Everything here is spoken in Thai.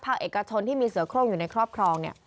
เอกชนที่มีเสือโครงอยู่ในครอบครองเนี่ย